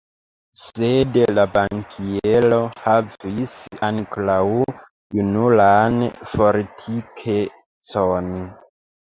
Sed la bankiero havis ankoraŭ junulan fortikecon.